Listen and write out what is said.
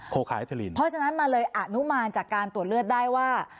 เพราะฉะนั้นมาเลยอนุมานจากการตรวจเลือดได้ว่า